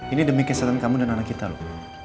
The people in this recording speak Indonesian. ini demi kesehatan kamu dan anak kita loh